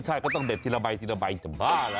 ใช่ก็ด็ดทีละใบทีละใบแบบทำบ้าละ